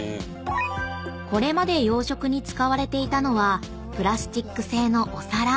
［これまで養殖に使われていたのはプラスチック製のお皿］